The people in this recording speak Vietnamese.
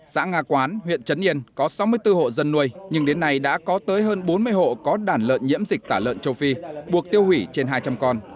xã nga quán huyện trấn yên có sáu mươi bốn hộ dân nuôi nhưng đến nay đã có tới hơn bốn mươi hộ có đàn lợn nhiễm dịch tả lợn châu phi buộc tiêu hủy trên hai trăm linh con